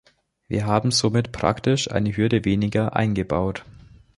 Wir haben somit praktisch eine Hürde weniger eingebaut.